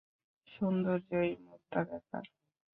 সৌন্দর্য্যই মোদ্দা ব্যাপার।